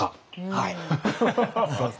はい。